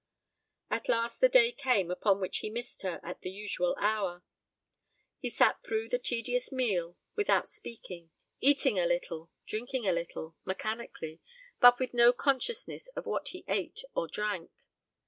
At last the day came upon which he missed her at the usual hour. He sat through the tedious meal without speaking; eating a little, drinking a little, mechanically, but with no consciousness of what he ate or drank.